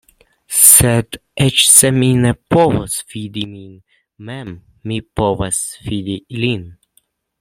Sed, eĉ se mi ne povos fidi min mem, mi povas fidi lin.